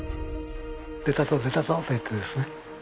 「出たぞ出たぞ」と言ってですね